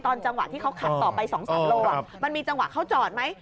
จังหวะที่เขาขับต่อไป๒๓โลมันมีจังหวะเขาจอดไหม